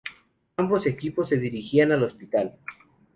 Ambos equipos se dirigían al hospital.